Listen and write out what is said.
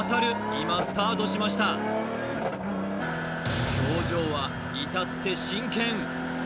今スタートしました表情は至って真剣！